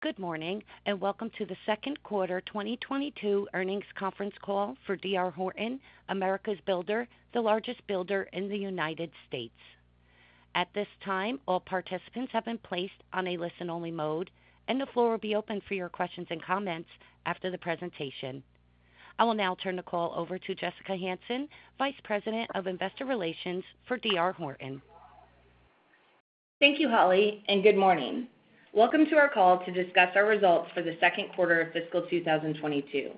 Good morning, and welcome to the second quarter 2022 earnings conference call for D.R. Horton, America's Builder, the largest builder in the United States. At this time, all participants have been placed on a listen-only mode, and the floor will be open for your questions and comments after the presentation. I will now turn the call over to Jessica Hansen, Vice President of Investor Relations for D.R. Horton. Thank you, Holly, and good morning. Welcome to our call to discuss our results for the second quarter of fiscal 2022.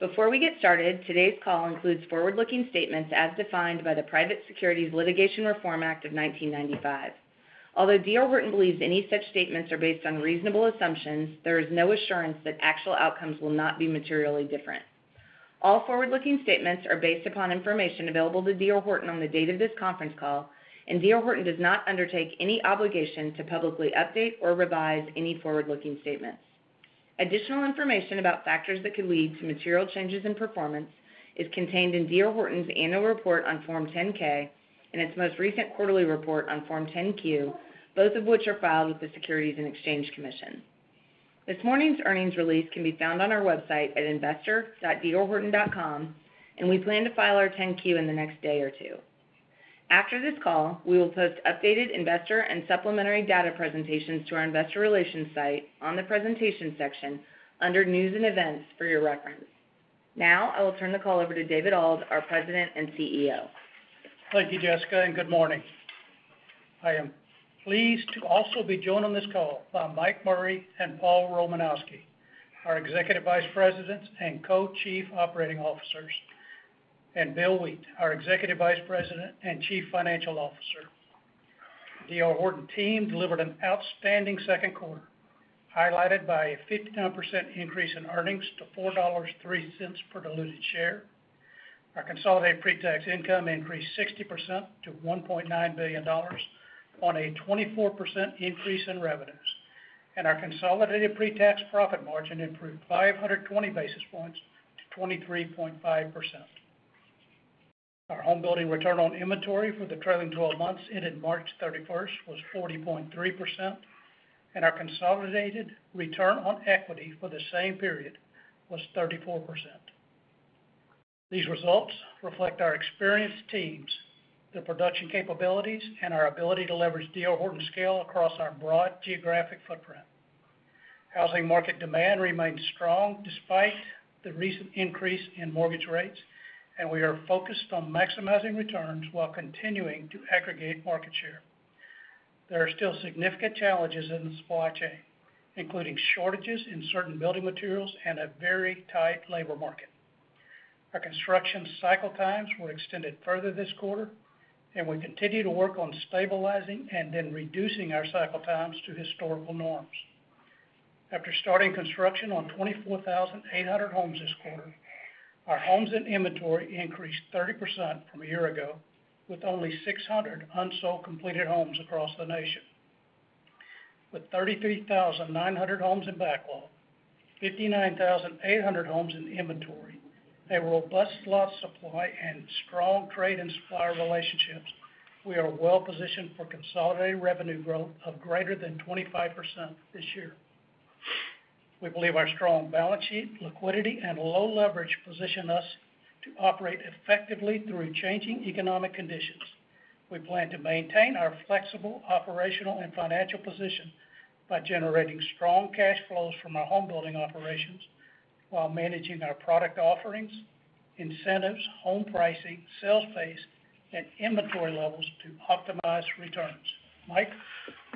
Before we get started, today's call includes forward-looking statements as defined by the Private Securities Litigation Reform Act of 1995. Although D.R. Horton believes any such statements are based on reasonable assumptions, there is no assurance that actual outcomes will not be materially different. All forward-looking statements are based upon information available to D.R. Horton on the date of this conference call, and D.R. Horton does not undertake any obligation to publicly update or revise any forward-looking statements. Additional information about factors that could lead to material changes in performance is contained in D.R. Horton's Annual Report on Form 10-K and its most recent Quarterly Report on Form 10-Q, both of which are filed with the Securities and Exchange Commission. This morning's earnings release can be found on our website at investor.drhorton.com, and we plan to file our 10-Q in the next day or two. After this call, we will post updated investor and supplementary data presentations to our investor relations site on the Presentation section under News and Events for your reference. Now, I will turn the call over to David Auld, our President and CEO. Thank you, Jessica, and good morning. I am pleased to also be joined on this call by Mike Murray and Paul Romanowski, our Executive Vice Presidents and Co-Chief Operating Officers, and Bill Wheat, our Executive Vice President and Chief Financial Officer. D.R. Horton team delivered an outstanding second quarter, highlighted by a 59% increase in earnings to $4.03 per diluted share. Our consolidated pre-tax income increased 60% to $1.9 billion on a 24% increase in revenues. Our consolidated pre-tax profit margin improved 520 basis points to 23.5%. Our homebuilding return on inventory for the trailing 12 months ended March 31st was 40.3%, and our consolidated return on equity for the same period was 34%. These results reflect our experienced teams, the production capabilities, and our ability to leverage D.R. Horton scale across our broad geographic footprint. Housing market demand remains strong despite the recent increase in mortgage rates, and we are focused on maximizing returns while continuing to aggregate market share. There are still significant challenges in the supply chain, including shortages in certain building materials and a very tight labor market. Our construction cycle times were extended further this quarter, and we continue to work on stabilizing and then reducing our cycle times to historical norms. After starting construction on 24,800 homes this quarter, our homes in inventory increased 30% from a year ago, with only 600 unsold completed homes across the nation. With 33,900 homes in backlog, 59,800 homes in inventory, a robust lot supply and strong trade and supplier relationships, we are well positioned for consolidated revenue growth of greater than 25% this year. We believe our strong balance sheet, liquidity, and low leverage position us to operate effectively through changing economic conditions. We plan to maintain our flexible operational and financial position by generating strong cash flows from our homebuilding operations while managing our product offerings, incentives, home pricing, sales pace, and inventory levels to optimize returns. Mike?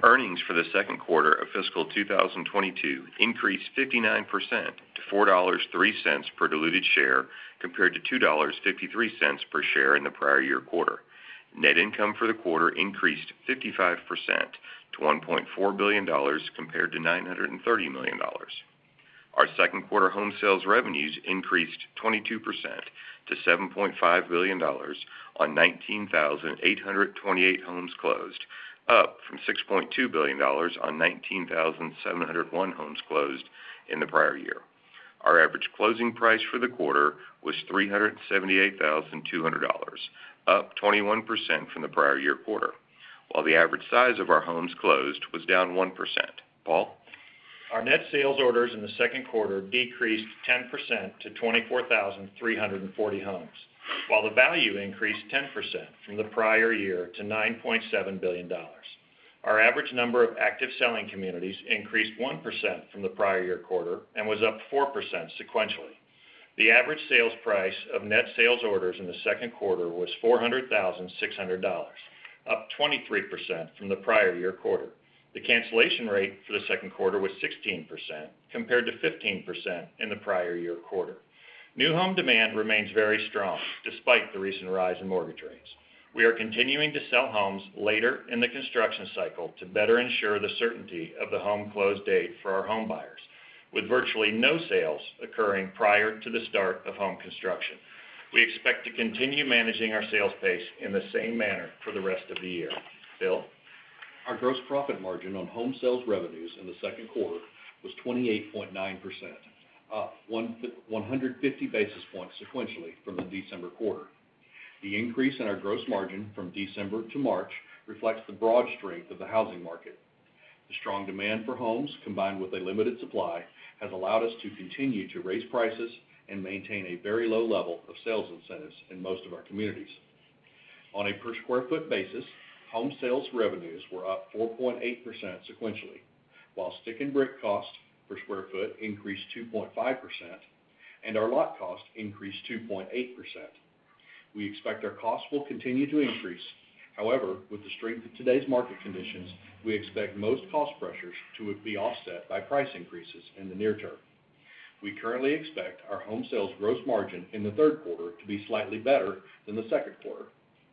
Earnings for the second quarter of fiscal 2022 increased 59% to $4.03 per diluted share compared to $2.53 per share in the prior year quarter. Net income for the quarter increased 55% to $1.4 billion compared to $930 million. Our second quarter home sales revenues increased 22% to $7.5 billion on 19,828 homes closed, up from $6.2 billion on 19,701 homes closed in the prior year. Our average closing price for the quarter was $378,200, up 21% from the prior year quarter, while the average size of our homes closed was down 1%. Paul? Our net sales orders in the second quarter decreased 10% to 24,340 homes, while the value increased 10% from the prior year to $9.7 billion. Our average number of active selling communities increased 1% from the prior year quarter and was up 4% sequentially. The average sales price of net sales orders in the second quarter was $400,600, up 23% from the prior year quarter. The cancellation rate for the second quarter was 16%, compared to 15% in the prior year quarter. New home demand remains very strong despite the recent rise in mortgage rates. We are continuing to sell homes later in the construction cycle to better ensure the certainty of the home close date for our home buyers, with virtually no sales occurring prior to the start of home construction. We expect to continue managing our sales pace in the same manner for the rest of the year. Bill? Our gross profit margin on home sales revenues in the second quarter was 28.9%, up 150 basis points sequentially from the December quarter. The increase in our gross margin from December to March reflects the broad strength of the housing market. The strong demand for homes, combined with a limited supply, has allowed us to continue to raise prices and maintain a very low level of sales incentives in most of our communities. On a per square foot basis, home sales revenues were up 4.8% sequentially, while stick and brick cost per square foot increased 2.5% and our lot cost increased 2.8%. We expect our costs will continue to increase. However, with the strength of today's market conditions, we expect most cost pressures to be offset by price increases in the near term. We currently expect our home sales gross margin in the third quarter to be slightly better than the second quarter.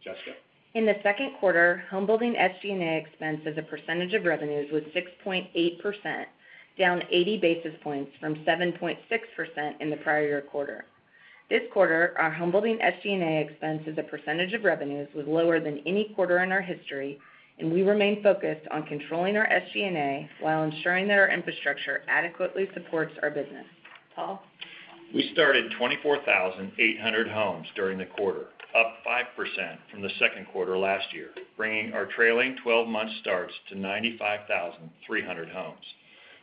Jessica? In the second quarter, home building SG&A expense as a percentage of revenues was 6.8%, down 80 basis points from 7.6% in the prior year quarter. This quarter, our home building SG&A expense as a percentage of revenues was lower than any quarter in our history, and we remain focused on controlling our SG&A while ensuring that our infrastructure adequately supports our business. Paul? We started 24,800 homes during the quarter, up 5% from the second quarter last year, bringing our trailing 12-month starts to 95,300 homes.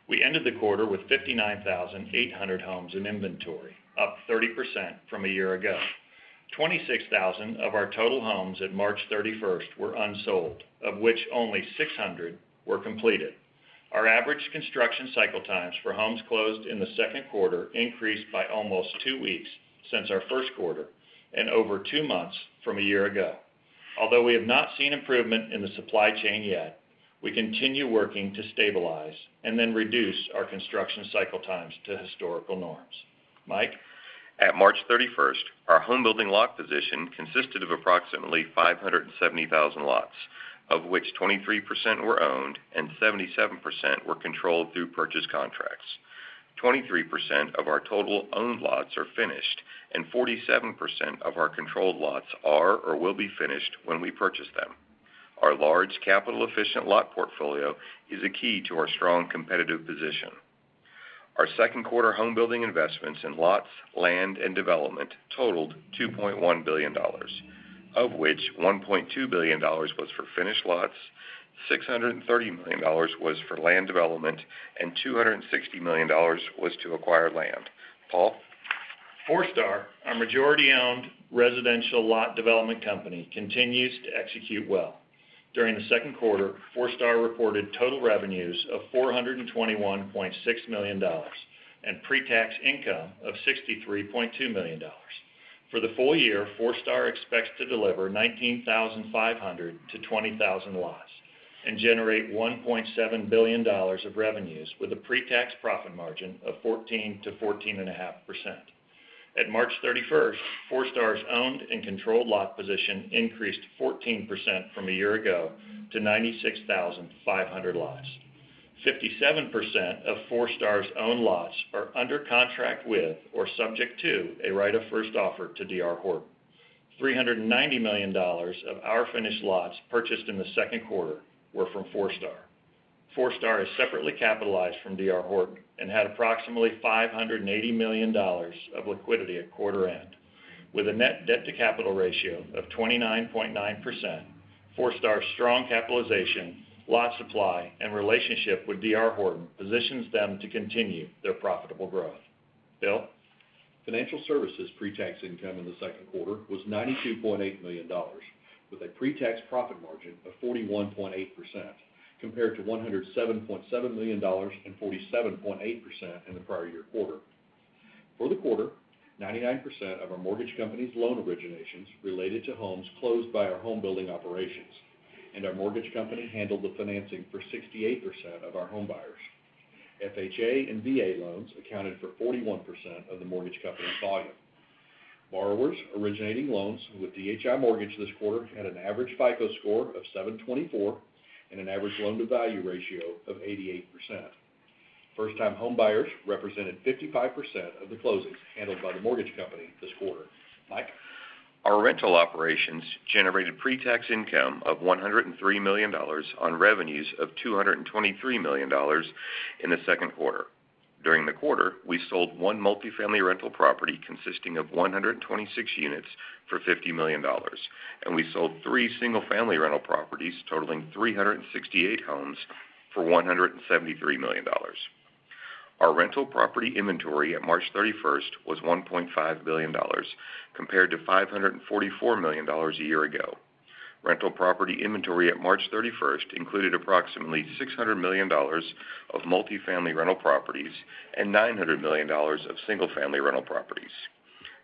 We ended the quarter with 59,800 homes in inventory, up 30% from a year ago. 26,000 of our total homes at March 31st were unsold, of which only 600 were completed. Our average construction cycle times for homes closed in the second quarter increased by almost two weeks since our first quarter and over two months from a year ago. Although we have not seen improvement in the supply chain yet, we continue working to stabilize and then reduce our construction cycle times to historical norms. Mike? As of March 31st, our homebuilding lot position consisted of approximately 570,000 lots, of which 23% were owned and 77% were controlled through purchase contracts. 23% of our total owned lots are finished, and 47% of our controlled lots are or will be finished when we purchase them. Our large capital efficient lot portfolio is a key to our strong competitive position. Our second quarter homebuilding investments in lots, land, and development totaled $2.1 billion, of which $1.2 billion was for finished lots, $630 million was for land development, and $260 million was to acquire land. Paul? Forestar, our majority-owned residential lot development company, continues to execute well. During the second quarter, Forestar reported total revenues of $421.6 million and pre-tax income of $63.2 million. For the full year, Forestar expects to deliver 19,500-20,000 lots and generate $1.7 billion of revenues with a pre-tax profit margin of 14%-14.5%. At March 31st, Forestar's owned and controlled lot position increased 14% from a year ago to 96,500 lots. 57% of Forestar's own lots are under contract with or subject to a right of first offer to D.R. Horton. $390 million of our finished lots purchased in the second quarter were from Forestar. Forestar is separately capitalized from D.R. Horton and had approximately $580 million of liquidity at quarter end. With a net debt to capital ratio of 29.9%, Forestar's strong capitalization, lot supply, and relationship with D.R. Horton positions them to continue their profitable growth. Bill? Financial services pre-tax income in the second quarter was $92.8 million, with a pre-tax profit margin of 41.8%, compared to $107.7 million and 47.8% in the prior year quarter. For the quarter, 99% of our mortgage company's loan originations related to homes closed by our home building operations, and our mortgage company handled the financing for 68% of our home buyers. FHA and VA loans accounted for 41% of the mortgage company's volume. Borrowers originating loans with DHI Mortgage this quarter had an average FICO score of 724 and an average loan-to-value ratio of 88%. First-time home buyers represented 55% of the closings handled by the mortgage company this quarter. Mike? Our rental operations generated pre-tax income of $103 million on revenues of $223 million in the second quarter. During the quarter, we sold one multi-family rental property consisting of 126 units for $50 million, and we sold three single-family rental properties totaling 368 homes for $173 million. Our rental property inventory at March 31st was $1.5 billion compared to $544 million a year ago. Rental property inventory at March 31st included approximately $600 million of multi-family rental properties and $900 million of single-family rental properties.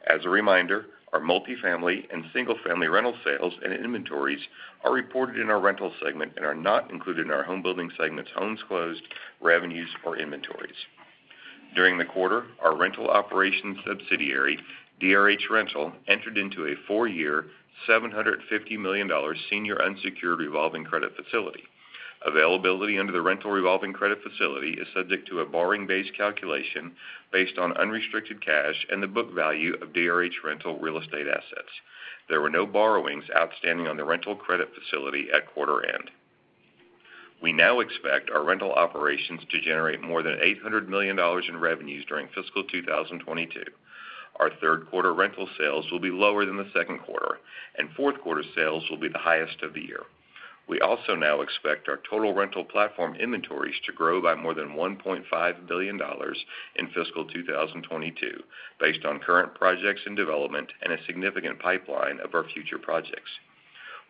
As a reminder, our multi-family and single-family rental sales and inventories are reported in our rental segment and are not included in our homebuilding segment's homes closed, revenues, or inventories. During the quarter, our rental operations subsidiary, DRH Rental, entered into a four-year, $750 million senior unsecured revolving credit facility. Availability under the rental revolving credit facility is subject to a borrowing base calculation based on unrestricted cash and the book value of DRH Rental real estate assets. There were no borrowings outstanding on the rental credit facility at quarter end. We now expect our rental operations to generate more than $800 million in revenues during fiscal 2022. Our third quarter rental sales will be lower than the second quarter, and fourth quarter sales will be the highest of the year. We also now expect our total rental platform inventories to grow by more than $1.5 billion in fiscal 2022 based on current projects in development and a significant pipeline of our future projects.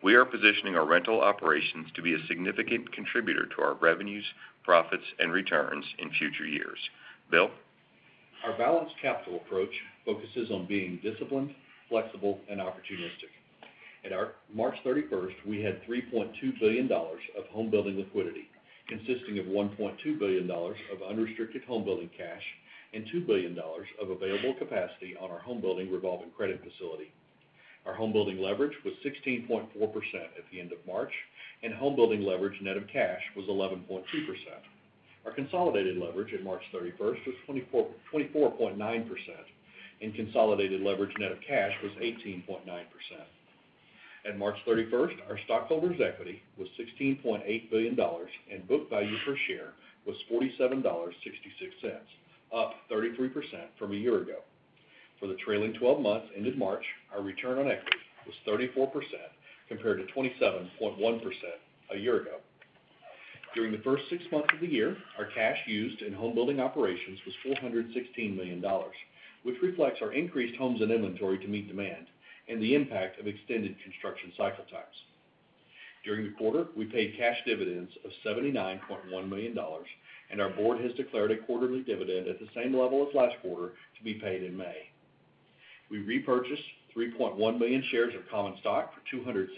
We are positioning our rental operations to be a significant contributor to our revenues, profits and returns in future years. Bill? Our balanced capital approach focuses on being disciplined, flexible and opportunistic. At March 31st, we had $3.2 billion of home building liquidity, consisting of $1.2 billion of unrestricted home building cash and $2 billion of available capacity on our home building revolving credit facility. Our home building leverage was 16.4% at the end of March, and home building leverage net of cash was 11.2%. Our consolidated leverage at March 31st was 24.9%, and consolidated leverage net of cash was 18.9%. At March 31st, our stockholders' equity was $16.8 billion, and book value per share was $47.66, up 33% from a year ago. For the trailing 12 months ended March, our return on equity was 34% compared to 27.1% a year ago. During the first six months of the year, our cash used in home building operations was $416 million, which reflects our increased homes and inventory to meet demand and the impact of extended construction cycle times. During the quarter, we paid cash dividends of $79.1 million, and our board has declared a quarterly dividend at the same level as last quarter to be paid in May. We repurchased 3.1 million shares of common stock for $266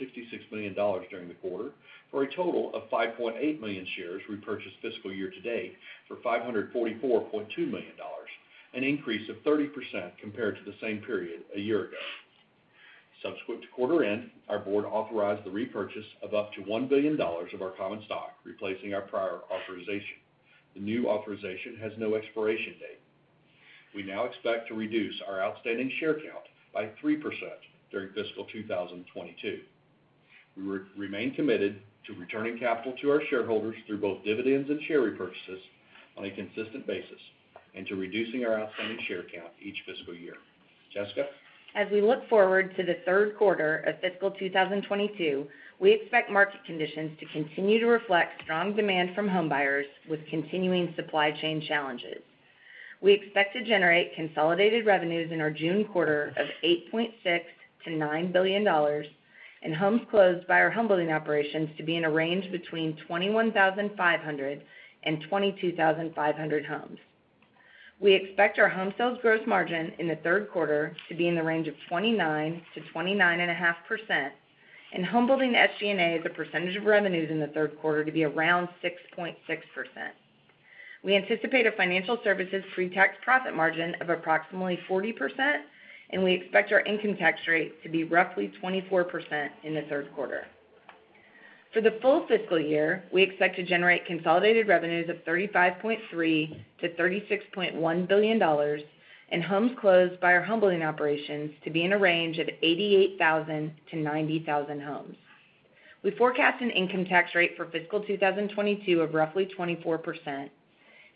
million during the quarter, for a total of 5.8 million shares repurchased fiscal year to date for $544.2 million, an increase of 30% compared to the same period a year ago. Subsequent to quarter end, our board authorized the repurchase of up to $1 billion of our common stock, replacing our prior authorization. The new authorization has no expiration date. We now expect to reduce our outstanding share count by 3% during fiscal 2022. We remain committed to returning capital to our shareholders through both dividends and share repurchases on a consistent basis and to reducing our outstanding share count each fiscal year. Jessica? As we look forward to the third quarter of fiscal 2022, we expect market conditions to continue to reflect strong demand from homebuyers with continuing supply chain challenges. We expect to generate consolidated revenues in our June quarter of $8.6 billion-$9 billion and homes closed by our homebuilding operations to be in a range between 21,500 and 22,500 homes. We expect our home sales gross margin in the third quarter to be in the range of 29%-29.5%, and homebuilding SG&A as a percentage of revenues in the third quarter to be around 6.6%. We anticipate a financial services pre-tax profit margin of approximately 40%, and we expect our income tax rate to be roughly 24% in the third quarter. For the full fiscal year, we expect to generate consolidated revenues of $35.3 billion-$36.1 billion and homes closed by our home building operations to be in a range of 88,000-90,000 homes. We forecast an income tax rate for fiscal 2022 of roughly 24%,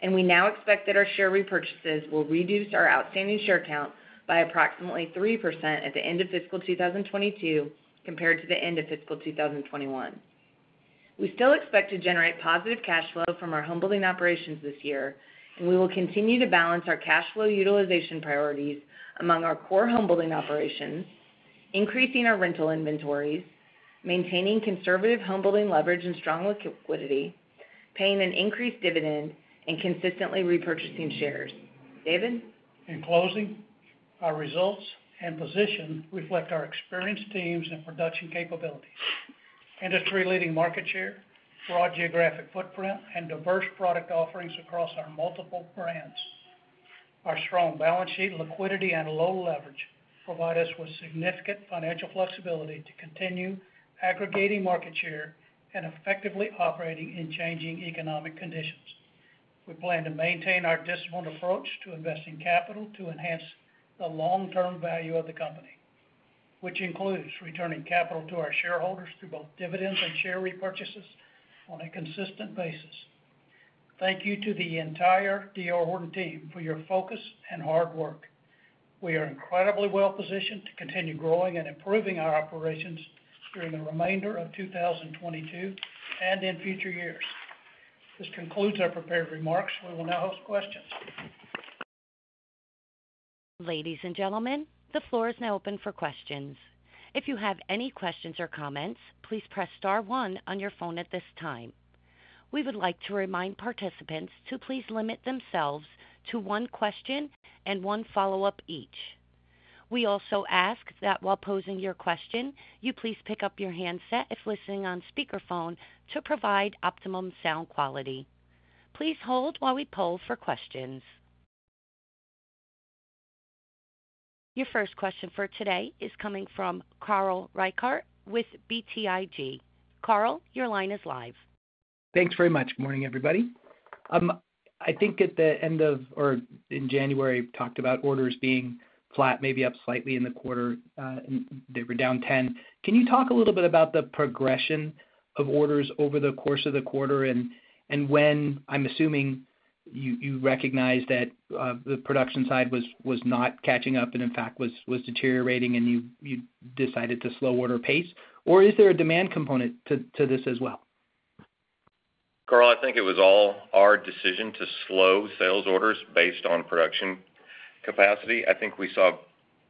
and we now expect that our share repurchases will reduce our outstanding share count by approximately 3% at the end of fiscal 2022 compared to the end of fiscal 2021. We still expect to generate positive cash flow from our home building operations this year, and we will continue to balance our cash flow utilization priorities among our core home building operations, increasing our rental inventories, maintaining conservative home building leverage and strong liquidity, paying an increased dividend, and consistently repurchasing shares. David? In closing, our results and position reflect our experienced teams and production capabilities, industry-leading market share, broad geographic footprint and diverse product offerings across our multiple brands. Our strong balance sheet liquidity and low leverage provide us with significant financial flexibility to continue aggregating market share and effectively operating in changing economic conditions. We plan to maintain our disciplined approach to investing capital to enhance the long-term value of the company, which includes returning capital to our shareholders through both dividends and share repurchases on a consistent basis. Thank you to the entire D.R. Horton team for your focus and hard work. We are incredibly well positioned to continue growing and improving our operations during the remainder of 2022 and in future years. This concludes our prepared remarks. We will now host questions. Ladies and gentlemen, the floor is now open for questions. If you have any questions or comments, please press star one on your phone at this time. We would like to remind participants to please limit themselves to one question and one follow-up each. We also ask that while posing your question, you please pick up your handset if listening on speakerphone to provide optimum sound quality. Please hold while we poll for questions. Your first question for today is coming from Carl Reichardt with BTIG. Carl, your line is live. Thanks very much. Morning, everybody. I think at the end of or in January, you talked about orders being flat, maybe up slightly in the quarter, they were down 10%. Can you talk a little bit about the progression of orders over the course of the quarter and when I'm assuming you recognized that the production side was not catching up and in fact was deteriorating, and you decided to slow order pace. Or is there a demand component to this as well? Carl, I think it was all our decision to slow sales orders based on production capacity. I think we saw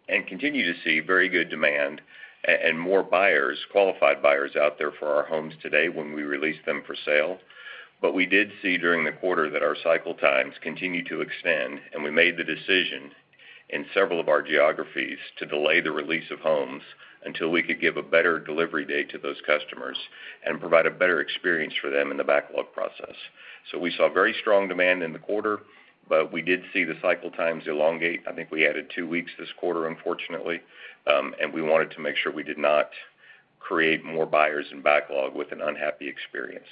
and continue to see very good demand and more buyers, qualified buyers out there for our homes today when we release them for sale. We did see during the quarter that our cycle times continued to extend, and we made the decision in several of our geographies to delay the release of homes until we could give a better delivery date to those customers and provide a better experience for them in the backlog process. We saw very strong demand in the quarter, but we did see the cycle times elongate. I think we added two weeks this quarter, unfortunately. We wanted to make sure we did not create more buyers in backlog with an unhappy experience.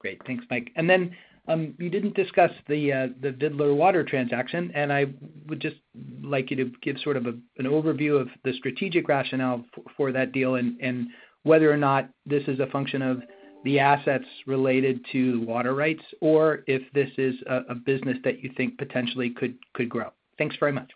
Great. Thanks, Mike. You didn't discuss the Vidler Water transaction, and I would just like you to give sort of an overview of the strategic rationale for that deal and whether or not this is a function of the assets related to water rights, or if this is a business that you think potentially could grow. Thanks very much.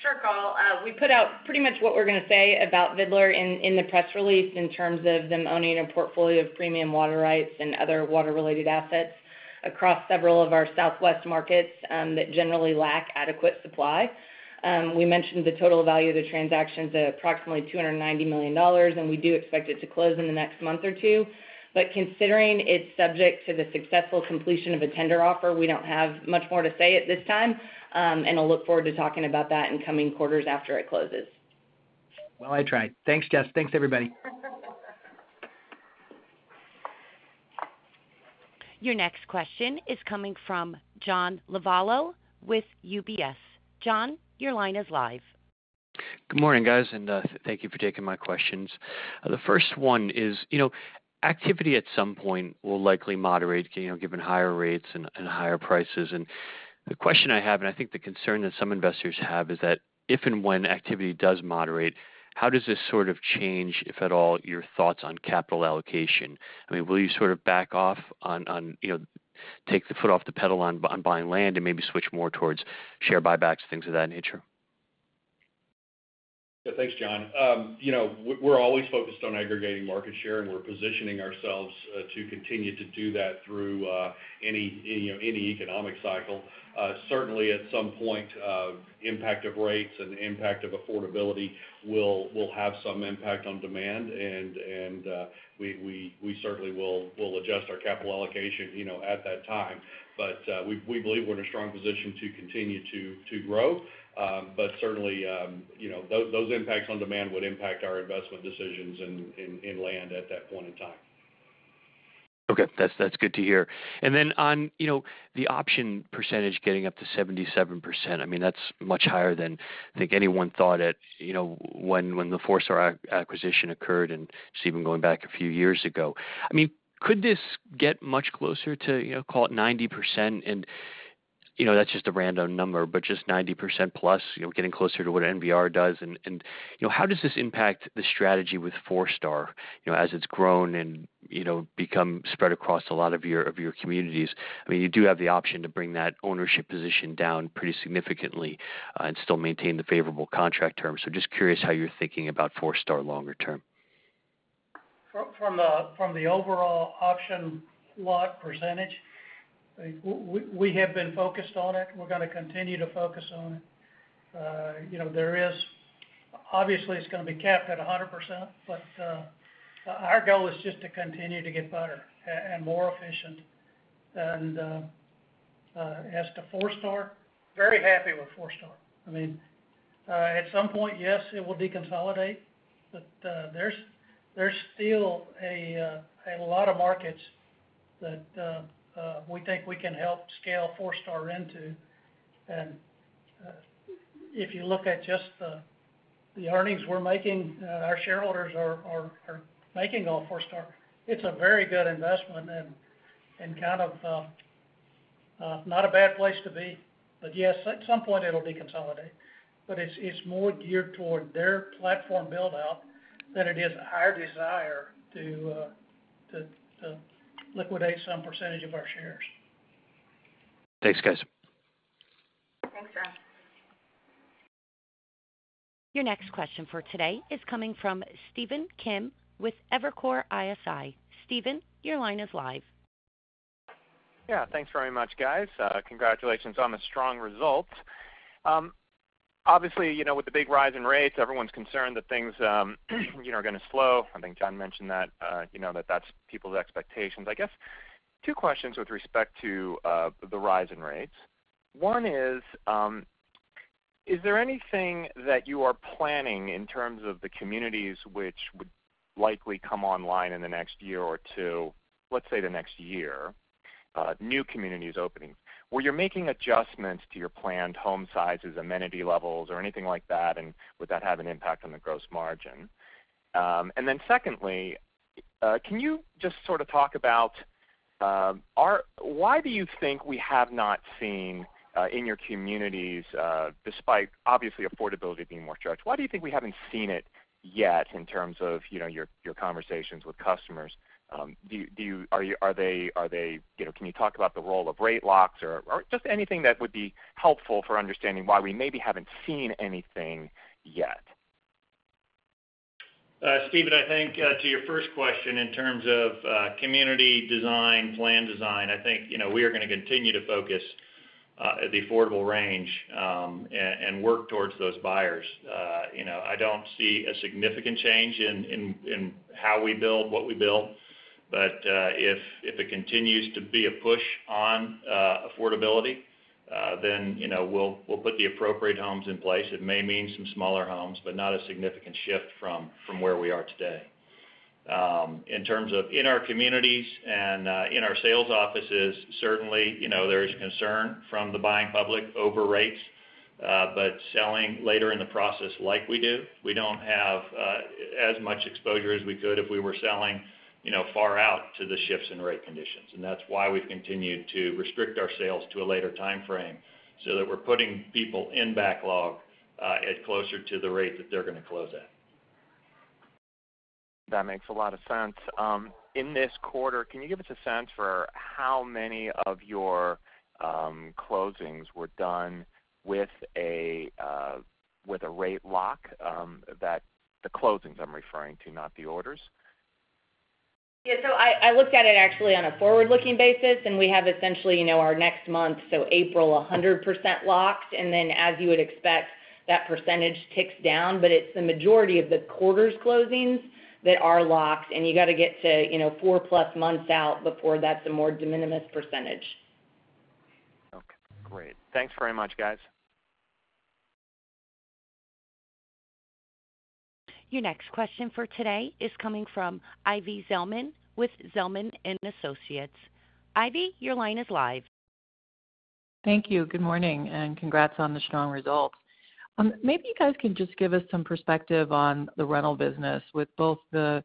Sure, Carl. We put out pretty much what we're going to say about Vidler in the press release in terms of them owning a portfolio of premium water rights and other water-related assets across several of our Southwest markets that generally lack adequate supply. We mentioned the total value of the transaction is approximately $290 million, and we do expect it to close in the next month or two. Considering it's subject to the successful completion of a tender offer, we don't have much more to say at this time, and I'll look forward to talking about that in coming quarters after it closes. Well, I tried. Thanks, Jess. Thanks, everybody. Your next question is coming from John Lovallo with UBS. John, your line is live. Good morning, guys, and thank you for taking my questions. The first one is, you know, activity at some point will likely moderate, you know, given higher rates and higher prices. The question I have, and I think the concern that some investors have, is that if and when activity does moderate, how does this sort of change, if at all, your thoughts on capital allocation? I mean, will you sort of back off on, you know, take the foot off the pedal on buying land and maybe switch more towards share buybacks, things of that nature? Thanks, John. You know, we're always focused on aggregating market share, and we're positioning ourselves to continue to do that through any, you know, economic cycle. Certainly at some point, impact of rates and impact of affordability will have some impact on demand, and we certainly will adjust our capital allocation, you know, at that time. We believe we're in a strong position to continue to grow. Certainly, you know, those impacts on demand would impact our investment decisions in land at that point in time. Okay. That's good to hear. On, you know, the option percentage getting up to 77%, I mean, that's much higher than I think anyone thought at, you know, when the Forestar acquisition occurred and just even going back a few years ago. I mean, could this get much closer to, you know, call it 90% and, you know, that's just a random number, but just 90%+, you know, getting closer to what NVR does? You know, how does this impact the strategy with Forestar, you know, as it's grown and, you know, become spread across a lot of your communities? I mean, you do have the option to bring that ownership position down pretty significantly, and still maintain the favorable contract terms. Just curious how you're thinking about Forestar longer term. From the overall optioned lot percentage, we have been focused on it. We're gonna continue to focus on it. You know, obviously, it's gonna be capped at 100%, but our goal is just to continue to get better and more efficient. As to Forestar, very happy with Forestar. I mean, at some point, yes, it will deconsolidate, but there's still a lot of markets that we think we can help scale Forestar into. If you look at just the earnings we're making, our shareholders are making off Forestar, it's a very good investment and kind of not a bad place to be. Yes, at some point it'll deconsolidate, but it's more geared toward their platform build-out than it is our desire to liquidate some percentage of our shares. Thanks, guys. Thanks, John. Your next question for today is coming from Stephen Kim with Evercore ISI. Steven, your line is live. Yeah. Thanks very much, guys. Congratulations on the strong results. Obviously, you know, with the big rise in rates, everyone's concerned that things, you know, are gonna slow. I think John mentioned that, you know, that that's people's expectations. I guess two questions with respect to the rise in rates. One is there anything that you are planning in terms of the communities which would likely come online in the next year or two, let's say the next year, new communities opening. Were you making adjustments to your planned home sizes, amenity levels, or anything like that, and would that have an impact on the gross margin? Secondly, can you just sort of talk about why do you think we have not seen in your communities despite obviously affordability being more stretched, why do you think we haven't seen it yet in terms of, you know, your conversations with customers? You know, can you talk about the role of rate locks or just anything that would be helpful for understanding why we maybe haven't seen anything yet? Stephen, I think, to your first question in terms of, community design, plan design, I think, you know, we are gonna continue to focus, at the affordable range, and work towards those buyers. You know, I don't see a significant change in, how we build, what we build. If it continues to be a push on, affordability, then, you know, we'll put the appropriate homes in place. It may mean some smaller homes, but not a significant shift from, where we are today. In terms of in our communities and in our sales offices, certainly, you know, there is concern from the buying public over rates, but selling later in the process like we do, we don't have as much exposure as we could if we were selling, you know, far out to the shifts in rate conditions. That's why we've continued to restrict our sales to a later timeframe, so that we're putting people in backlog at closer to the rate that they're gonna close at. That makes a lot of sense. In this quarter, can you give us a sense for how many of your closings were done with a rate lock? The closings I'm referring to, not the orders. Yeah. I looked at it actually on a forward-looking basis, and we have essentially, you know, our next month, so April, 100% locked. Then as you would expect, that percentage ticks down. It's the majority of the quarter's closings that are locked, and you gotta get to, you know, four-plus months out before that's a more de minimis percentage. Okay, great. Thanks very much, guys. Your next question for today is coming from Ivy Zelman with Zelman & Associates. Ivy, your line is live. Thank you. Good morning, and congrats on the strong results. Maybe you guys can just give us some perspective on the rental business with both the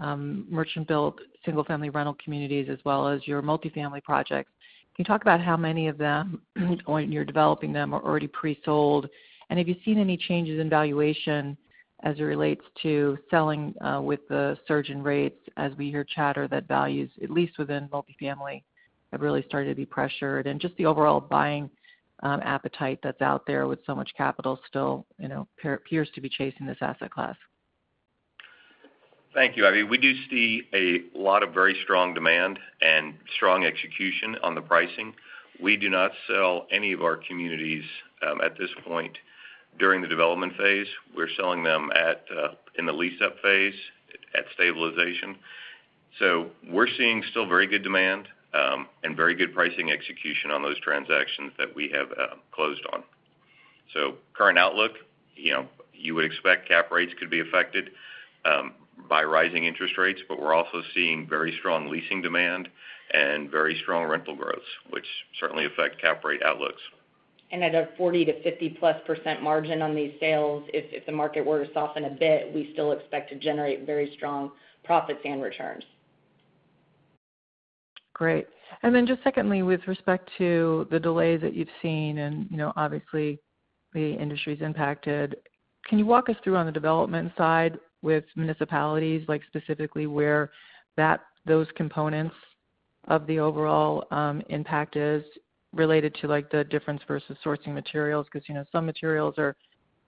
merchant build single-family rental communities as well as your multifamily projects. Can you talk about how many of them when you're developing them are already pre-sold? Have you seen any changes in valuation as it relates to selling with the surge in rates as we hear chatter that values, at least within multifamily, have really started to be pressured, and just the overall buying appetite that's out there with so much capital still, you know, appears to be chasing this asset class. Thank you, Ivy. We do see a lot of very strong demand and strong execution on the pricing. We do not sell any of our communities at this point during the development phase. We're selling them at in the lease-up phase at stabilization. We're seeing still very good demand and very good pricing execution on those transactions that we have closed on. Current outlook, you know, you would expect cap rates could be affected by rising interest rates, but we're also seeing very strong leasing demand and very strong rental growth, which certainly affect cap rate outlooks. At a 40%-50%+ margin on these sales, if the market were to soften a bit, we still expect to generate very strong profits and returns. Great. Just secondly, with respect to the delays that you've seen and, you know, obviously the industry's impacted, can you walk us through on the development side with municipalities, like specifically where that, those components of the overall impact is related to like the difference versus sourcing materials? 'Cause, you know, some materials are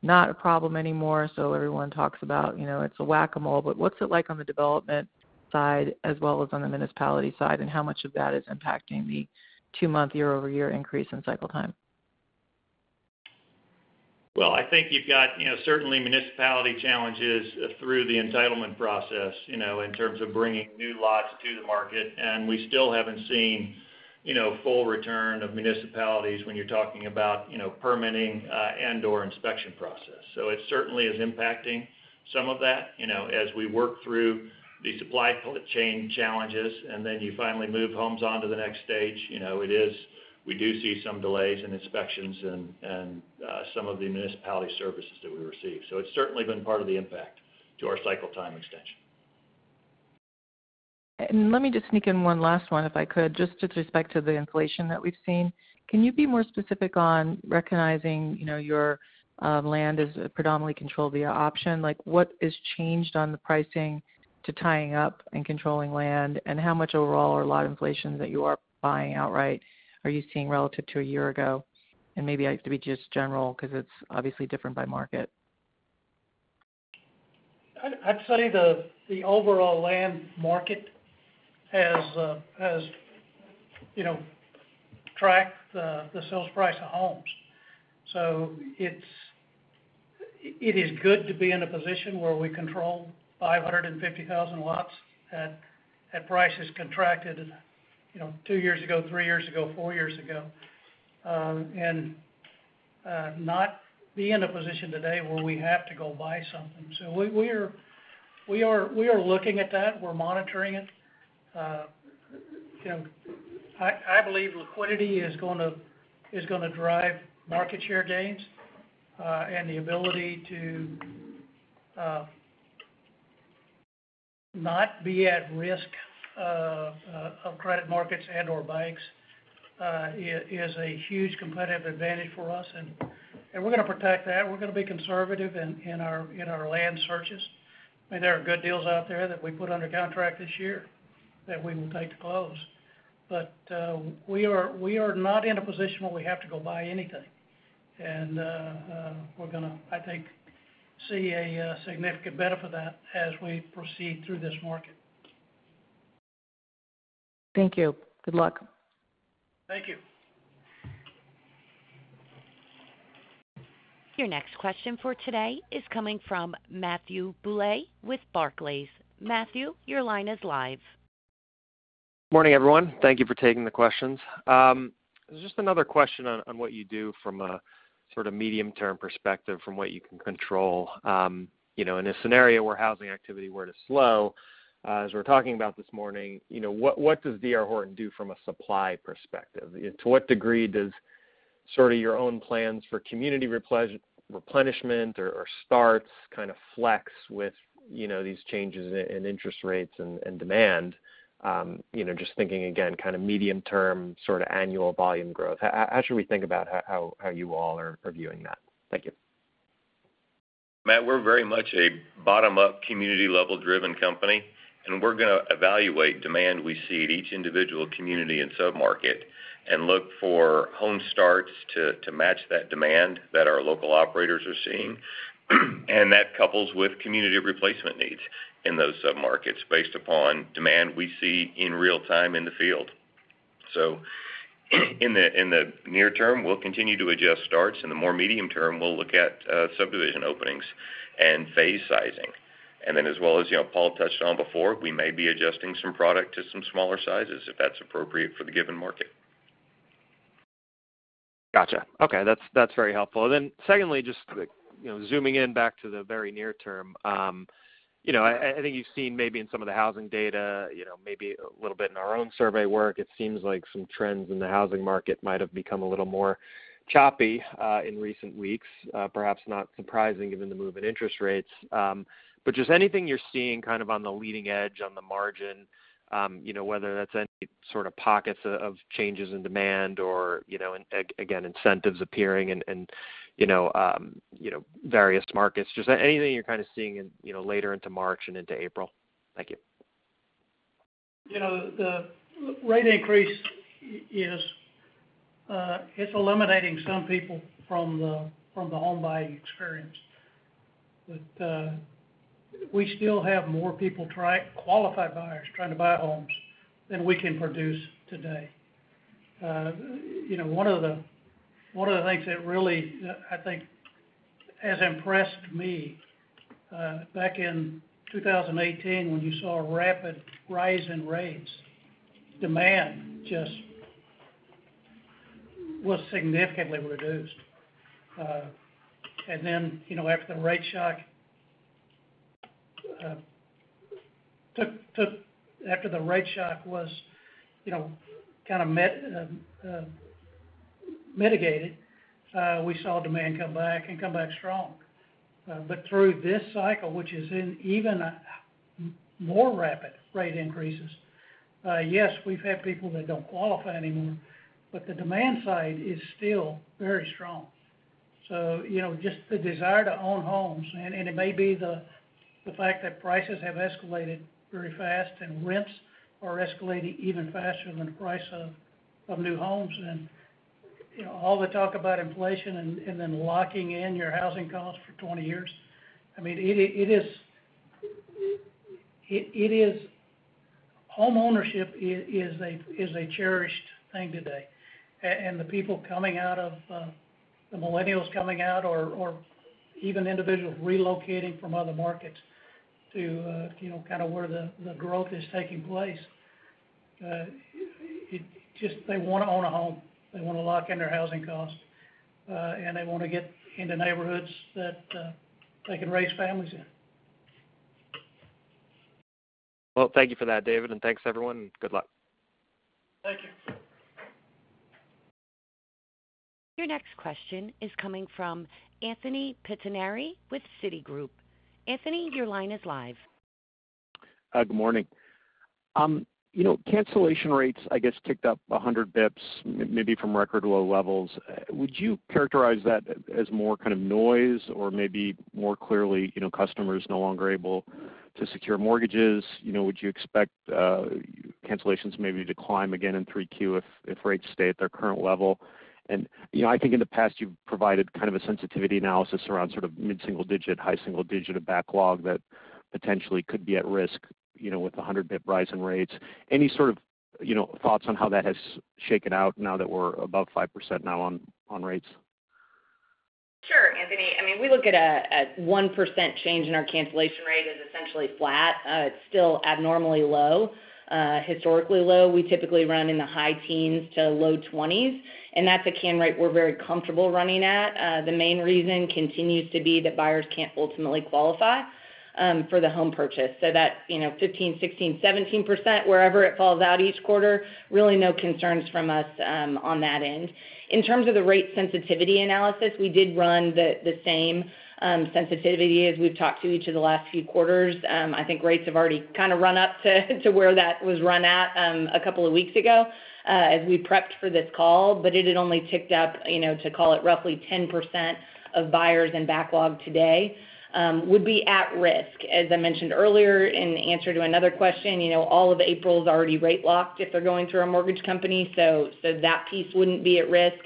not a problem anymore, so everyone talks about, you know, it's a whack-a-mole. But what's it like on the development side as well as on the municipality side, and how much of that is impacting the two-month year-over-year increase in cycle time? Well, I think you've got, you know, certainly municipality challenges through the entitlement process, you know, in terms of bringing new lots to the market. We still haven't seen, you know, full return of municipalities when you're talking about, you know, permitting, and/or inspection process. It certainly is impacting some of that, you know, as we work through the supply chain challenges, and then you finally move homes onto the next stage. You know, it is. We do see some delays in inspections and some of the municipality services that we receive. It's certainly been part of the impact to our cycle time extension. Let me just sneak in one last one, if I could, just with respect to the inflation that we've seen. Can you be more specific on recognizing, you know, your land is predominantly controlled via option? Like, what is changed on the pricing to tying up and controlling land, and how much overall or lot inflation that you are buying outright are you seeing relative to a year ago? Maybe, to be just general 'cause it's obviously different by market. I'd say the overall land market has, you know, tracked the sales price of homes. It is good to be in a position where we control 550,000 lots at prices contracted, you know, two years ago, three years ago, four years ago. And we're not in a position today where we have to go buy something. We are looking at that. We're monitoring it. You know, I believe liquidity is gonna drive market share gains, and the ability to not be at risk of credit markets and/or banks is a huge competitive advantage for us. We're gonna protect that. We're gonna be conservative in our land searches. I mean, there are good deals out there that we put under contract this year that we will take to close. We are not in a position where we have to go buy anything. We're gonna, I think, see a significant benefit of that as we proceed through this market. Thank you. Good luck. Thank you. Your next question for today is coming from Matthew Bouley with Barclays. Matthew, your line is live. Morning, everyone. Thank you for taking the questions. Just another question on what you do from a sort of medium-term perspective from what you can control. You know, in a scenario where housing activity were to slow, as we're talking about this morning, you know, what does D.R. Horton do from a supply perspective? To what degree does sort of your own plans for community replenishment or starts kind of flex with, you know, these changes in interest rates and demand? You know, just thinking again, kind of medium term, sort of annual volume growth. How should we think about how you all are viewing that? Thank you. Matt, we're very much a bottom-up community level driven company, and we're gonna evaluate demand we see at each individual community and sub-market and look for home starts to match that demand that our local operators are seeing. That couples with community replacement needs in those sub-markets based upon demand we see in real-time in the field. In the near term, we'll continue to adjust starts. In the more medium term, we'll look at subdivision openings and phase sizing. Then as well as, you know, Paul touched on before, we may be adjusting some product to some smaller sizes if that's appropriate for the given market. Gotcha. Okay. That's very helpful. Secondly, just, you know, zooming in back to the very near term, you know, I think you've seen maybe in some of the housing data, you know, maybe a little bit in our own survey work, it seems like some trends in the housing market might have become a little more choppy in recent weeks, perhaps not surprising given the move in interest rates. Just anything you're seeing kind of on the leading edge on the margin, you know, whether that's any sort of pockets of changes in demand or, you know, again, incentives appearing in, you know, various markets. Just anything you're kind of seeing in, you know, later into March and into April. Thank you. You know, the rate increase is, it's eliminating some people from the home buying experience. But we still have more qualified buyers trying to buy homes than we can produce today. You know, one of the things that really I think has impressed me back in 2018 when you saw a rapid rise in rates, demand just was significantly reduced. Then, you know, after the rate shock was, you know, kind of mitigated, we saw demand come back and come back strong. But through this cycle, which is in even more rapid rate increases, yes, we've had people that don't qualify anymore, but the demand side is still very strong. You know, just the desire to own homes, and it may be the fact that prices have escalated very fast and rents are escalating even faster than the price of new homes. You know, all the talk about inflation and then locking in your housing costs for 20 years. I mean, it is homeownership is a cherished thing today. The people coming out of the millennials coming out or even individuals relocating from other markets to you know, kind of where the growth is taking place, it just they wanna own a home, they wanna lock in their housing costs, and they wanna get into neighborhoods that they can raise families in. Well, thank you for that, David. Thanks, everyone. Good luck. Thank you. Your next question is coming from Anthony Pettinari with Citigroup. Anthony, your line is live. Hi. Good morning. You know, cancellation rates, I guess, ticked up 100 bps maybe from record low levels. Would you characterize that as more kind of noise or maybe more clearly, you know, customers no longer able to secure mortgages? You know, would you expect cancellations maybe to climb again in 3Q if rates stay at their current level? You know, I think in the past, you've provided kind of a sensitivity analysis around sort of mid-single digit, high single digit of backlog that potentially could be at risk, you know, with the 100 bps rise in rates. Any sort of, you know, thoughts on how that has shaken out now that we're above 5% now on rates? Sure, Anthony. I mean, we look at a 1% change in our cancellation rate as essentially flat. It's still abnormally low, historically low. We typically run in the high teens to low 20s, and that's a can rate we're very comfortable running at. The main reason continues to be that buyers can't ultimately qualify for the home purchase. That's, you know, 15%, 16%, 17%, wherever it falls out each quarter, really no concerns from us on that end. In terms of the rate sensitivity analysis, we did run the same sensitivity as we've talked to each of the last few quarters. I think rates have already kinda run up to where that was run at, a couple of weeks ago, as we prepped for this call. It had only ticked up, you know, to call it roughly 10% of buyers and backlog today would be at risk. As I mentioned earlier in answer to another question, you know, all of April's already rate locked if they're going through a mortgage company, so that piece wouldn't be at risk.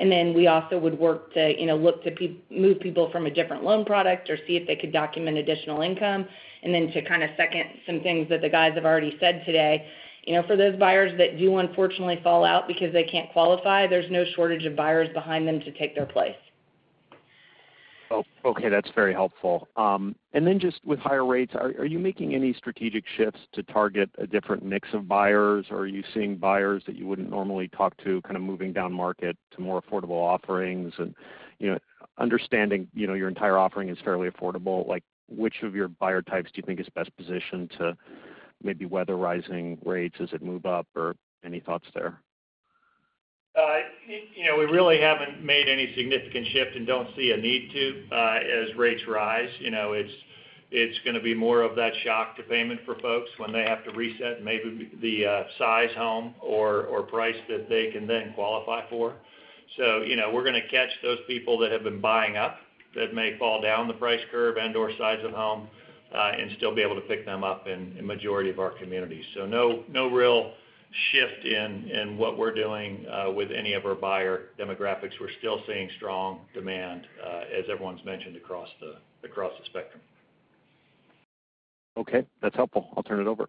We also would work to, you know, look to move people from a different loan product or see if they could document additional income. Then to kind of second some things that the guys have already said today, you know, for those buyers that do unfortunately fall out because they can't qualify, there's no shortage of buyers behind them to take their place. Oh, okay, that's very helpful. Just with higher rates, are you making any strategic shifts to target a different mix of buyers? Are you seeing buyers that you wouldn't normally talk to kind of moving down market to more affordable offerings? You know, understanding, you know, your entire offering is fairly affordable, like, which of your buyer types do you think is best positioned to maybe weather rising rates as it move up, or any thoughts there? You know, we really haven't made any significant shift and don't see a need to as rates rise. You know, it's gonna be more of that shock to payment for folks when they have to reset maybe the size of home or price that they can then qualify for. You know, we're gonna catch those people that have been buying up that may fall down the price curve and/or size of home and still be able to pick them up in a majority of our communities. No real shift in what we're doing with any of our buyer demographics. We're still seeing strong demand as everyone's mentioned across the spectrum. Okay, that's helpful. I'll turn it over.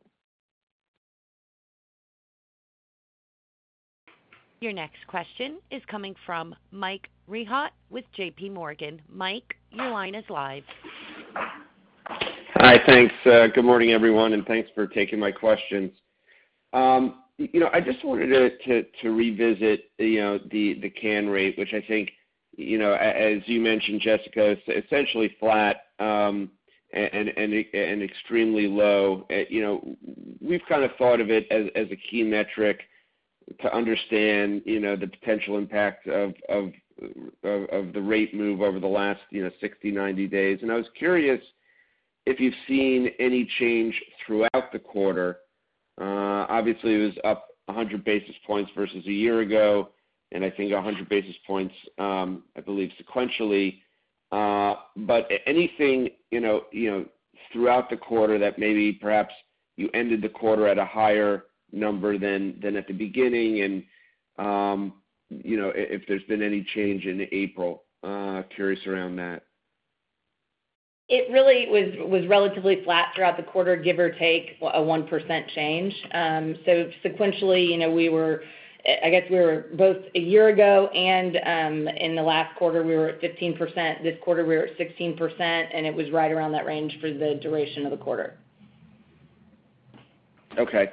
Your next question is coming from Mike Rehaut with JPMorgan. Mike, your line is live. Hi, thanks. Good morning, everyone, and thanks for taking my questions. You know, I just wanted to revisit you know, the cap rate, which I think, you know, as you mentioned, Jessica, it's essentially flat and extremely low. You know, we've kind of thought of it as a key metric to understand, you know, the potential impact of the rate move over the last, you know, 60, 90 days. I was curious if you've seen any change throughout the quarter. Obviously it was up 100 basis points versus a year ago, and I think 100 basis points, I believe sequentially. Anything, you know, throughout the quarter that maybe perhaps you ended the quarter at a higher number than at the beginning and, you know, if there's been any change in April. Curious about that. It really was relatively flat throughout the quarter, give or take a 1% change. So sequentially, you know, we were, I guess we were both a year ago and, in the last quarter, we were at 15%. This quarter we were at 16%, and it was right around that range for the duration of the quarter. Okay.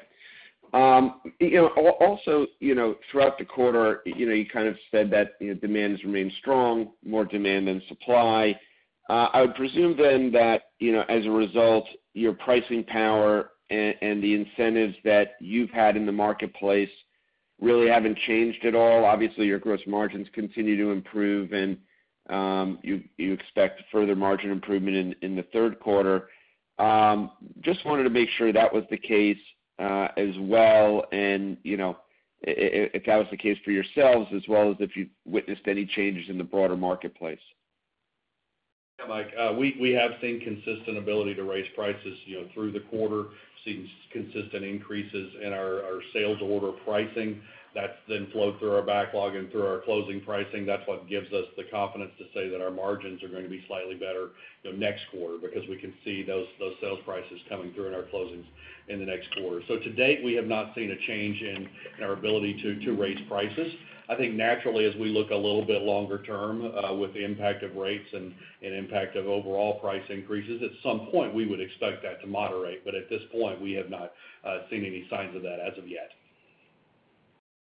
You know, also, you know, throughout the quarter, you know, you kind of said that, you know, demand has remained strong, more demand than supply. I would presume then that, you know, as a result, your pricing power and the incentives that you've had in the marketplace really haven't changed at all. Obviously, your gross margins continue to improve and you expect further margin improvement in the third quarter. Just wanted to make sure that was the case as well and, you know, if that was the case for yourselves as well as if you've witnessed any changes in the broader marketplace. Mike, we have seen consistent ability to raise prices, you know, through the quarter, seen consistent increases in our sales order pricing. That's then flowed through our backlog and through our closing pricing. That's what gives us the confidence to say that our margins are going to be slightly better, you know, next quarter, because we can see those sales prices coming through in our closings in the next quarter. To date, we have not seen a change in our ability to raise prices. I think naturally, as we look a little bit longer term, with the impact of rates and impact of overall price increases, at some point we would expect that to moderate. At this point, we have not seen any signs of that as of yet.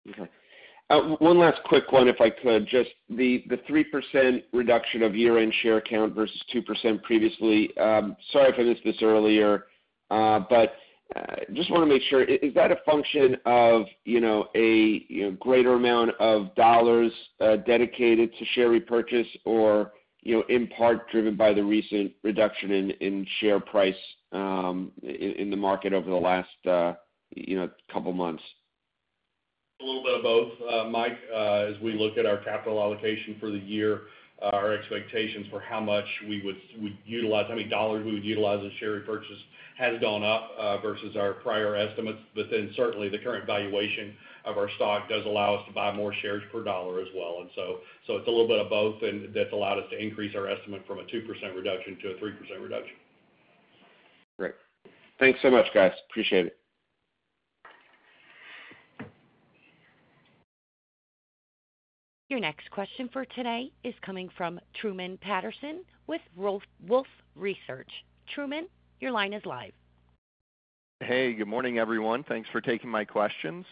Okay. One last quick one, if I could. Just the 3% reduction of year-end share count versus 2% previously. Sorry if I missed this earlier, but just wanna make sure, is that a function of, you know, a greater amount of dollars dedicated to share repurchase or, you know, in part driven by the recent reduction in share price in the market over the last, you know, couple months? A little bit of both, Mike. As we look at our capital allocation for the year, our expectations for how many dollars we would utilize in share repurchase has gone up versus our prior estimates. Certainly the current valuation of our stock does allow us to buy more shares per dollar as well. It's a little bit of both, and that's allowed us to increase our estimate from a 2% reduction to a 3% reduction. Great. Thanks so much, guys. Appreciate it. Your next question for today is coming from Truman Patterson with Wolfe Research. Truman, your line is live. Hey, good morning, everyone. Thanks for taking my questions.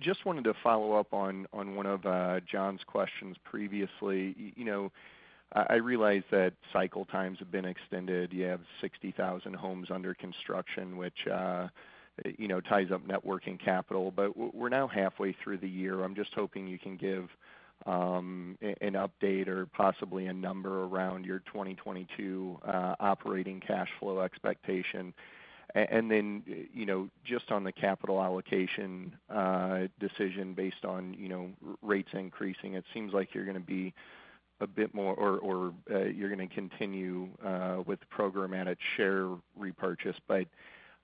Just wanted to follow up on one of John's questions previously. You know, I realize that cycle times have been extended. You have 60,000 homes under construction, which, you know, ties up net working capital. We're now halfway through the year. I'm just hoping you can give an update or possibly a number around your 2022 operating cash flow expectation. You know, just on the capital allocation decision based on, you know, rates increasing, it seems like you're gonna be a bit more or you're gonna continue with program managed share repurchase.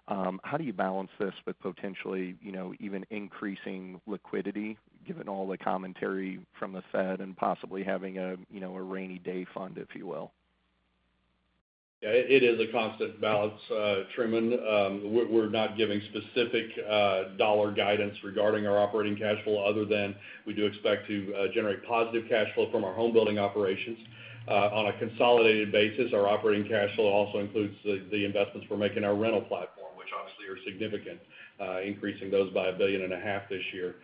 How do you balance this with potentially, you know, even increasing liquidity, given all the commentary from the Fed and possibly having a, you know, a rainy day fund, if you will? Yeah, it is a constant balance, Truman. We're not giving specific dollar guidance regarding our operating cash flow other than we do expect to generate positive cash flow from our homebuilding operations. On a consolidated basis, our operating cash flow also includes the investments we're making in our rental platform, which obviously are significant, increasing those by $1.5 billion this year.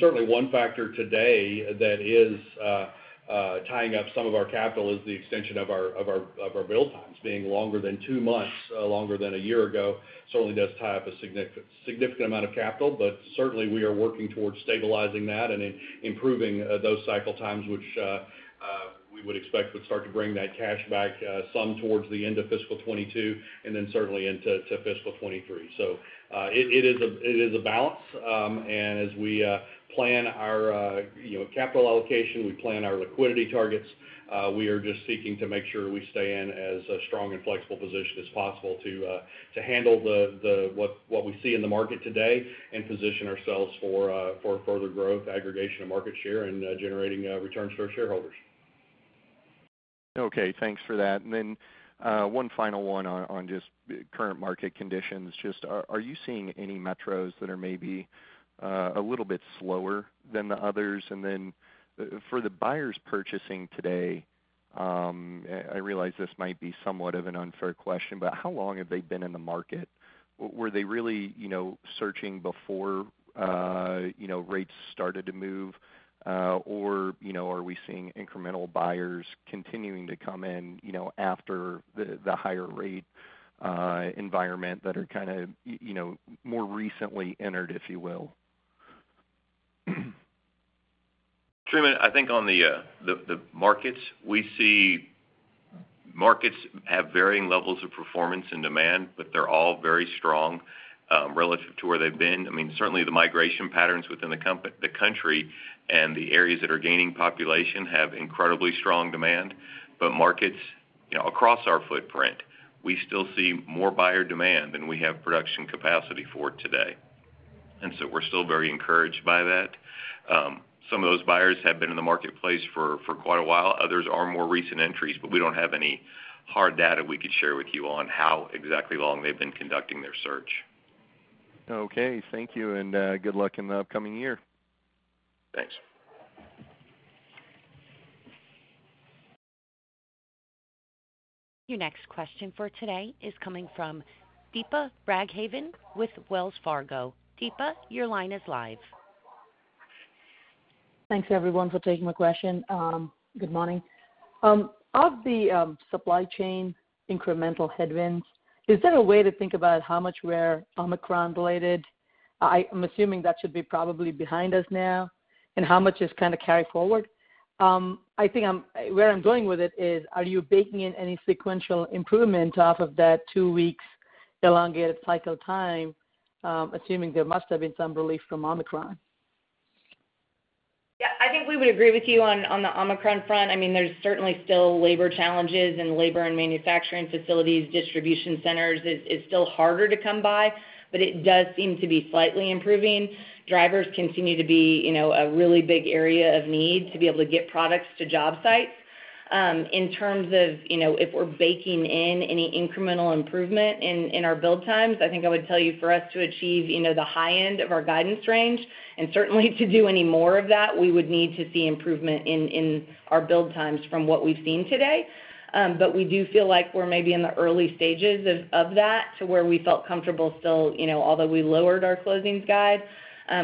Certainly one factor today that is tying up some of our capital is the extension of our build times being longer than two months longer than a year ago, certainly does tie up a significant amount of capital. Certainly we are working towards stabilizing that and improving those cycle times, which we would expect would start to bring that cash back some towards the end of fiscal 2022, and then certainly into fiscal 2023. It is a balance. As we plan our you know capital allocation, we plan our liquidity targets, we are just seeking to make sure we stay in as strong and flexible a position as possible to handle what we see in the market today and position ourselves for further growth, aggregation of market share, and generating returns to our shareholders. Okay. Thanks for that. One final one on just current market conditions. Just are you seeing any metros that are maybe a little bit slower than the others? For the buyers purchasing today, I realize this might be somewhat of an unfair question, but how long have they been in the market? Were they really, you know, searching before, you know, rates started to move? You know, are we seeing incremental buyers continuing to come in, you know, after the higher rate environment that are kinda, you know, more recently entered, if you will? Truman, I think on the markets, we see markets have varying levels of performance and demand, but they're all very strong relative to where they've been. I mean, certainly the migration patterns within the country and the areas that are gaining population have incredibly strong demand. Markets, you know, across our footprint, we still see more buyer demand than we have production capacity for today. We're still very encouraged by that. Some of those buyers have been in the marketplace for quite a while. Others are more recent entries, but we don't have any hard data we could share with you on how exactly long they've been conducting their search. Okay, thank you, and good luck in the upcoming year. Thanks. Your next question for today is coming from Deepa Raghavan with Wells Fargo. Deepa, your line is live. Thanks everyone for taking my question. Good morning. Of the supply chain incremental headwinds, is there a way to think about how much were Omicron related? I'm assuming that should be probably behind us now. How much is kinda carry-forward? Where I'm going with it is, are you baking in any sequential improvement off of that two weeks elongated cycle time, assuming there must have been some relief from Omicron? Yeah. I think we would agree with you on the Omicron front. I mean, there's certainly still labor challenges in labor and manufacturing facilities. Distribution centers is still harder to come by, but it does seem to be slightly improving. Drivers continue to be, you know, a really big area of need to be able to get products to job sites. In terms of, you know, if we're baking in any incremental improvement in our build times, I think I would tell you, for us to achieve, you know, the high end of our guidance range, and certainly to do any more of that, we would need to see improvement in our build times from what we've seen today. But we do feel like we're maybe in the early stages of that to where we felt comfortable still. You know, although we lowered our closings guide,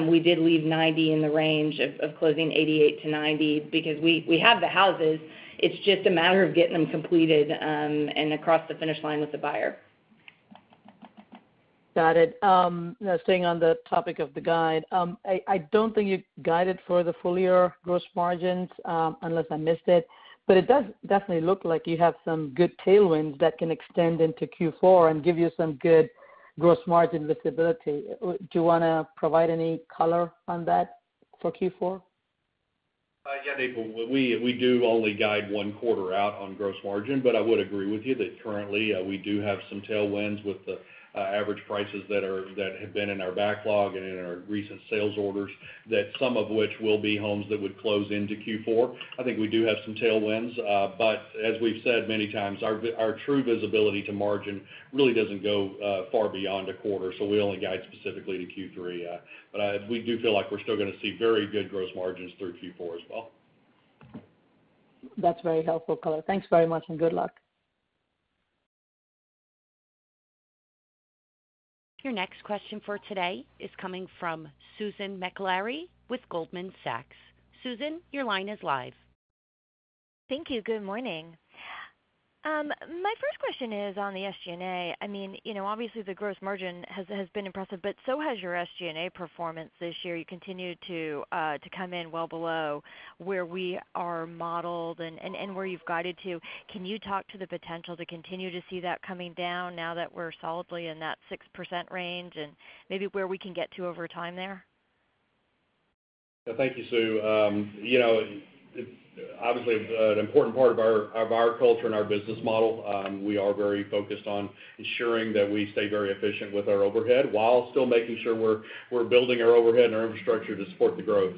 we did leave 90 in the range of closing 88-90 because we have the houses. It's just a matter of getting them completed and across the finish line with the buyer. Got it. Staying on the topic of the guide. I don't think you guided for the full year gross margins, unless I missed it, but it does definitely look like you have some good tailwinds that can extend into Q4 and give you some good gross margin visibility. Do you wanna provide any color on that for Q4? Yeah, Deepa. We do only guide one quarter out on gross margin, but I would agree with you that currently, we do have some tailwinds with the average prices that have been in our backlog and in our recent sales orders, that some of which will be homes that would close into Q4. I think we do have some tailwinds. But as we've said many times, our true visibility to margin really doesn't go far beyond a quarter, so we only guide specifically to Q3. But we do feel like we're still gonna see very good gross margins through Q4 as well. That's very helpful color. Thanks very much, and good luck. Your next question for today is coming from Susan Maklari with Goldman Sachs. Susan, your line is live. Thank you. Good morning. My first question is on the SG&A. I mean, you know, obviously, the gross margin has been impressive, but so has your SG&A performance this year. You continued to come in well below where we are modeled and where you've guided to. Can you talk to the potential to continue to see that coming down now that we're solidly in that 6% range and maybe where we can get to over time there? Thank you, Sue. You know, obviously, an important part of our culture and our business model, we are very focused on ensuring that we stay very efficient with our overhead while still making sure we're building our overhead and our infrastructure to support the growth.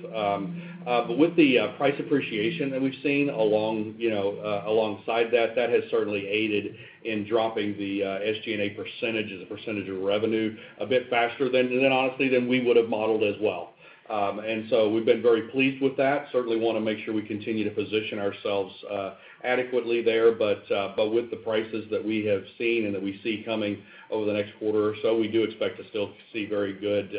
With the price appreciation that we've seen along, you know, alongside that has certainly aided in dropping the SG&A percentage as a percentage of revenue a bit faster than, honestly than we would have modeled as well. We've been very pleased with that. Certainly wanna make sure we continue to position ourselves adequately there. With the prices that we have seen and that we see coming over the next quarter or so, we do expect to still see very good